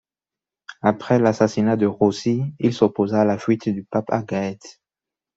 Après l'assassinat de Rossi, il s'opposa à la fuite du pape à Gaète.